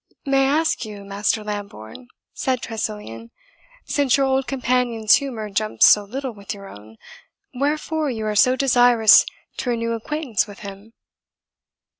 "May I ask you, Master Lambourne," said Tressilian, "since your old companion's humour jumps so little with your own, wherefore you are so desirous to renew acquaintance with him?"